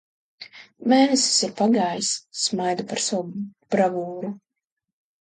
Mēnesis ir pagājis. Smaidu par savu bravūru.